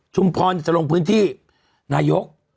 ชุมพรก็จะลงพื้นที่นายก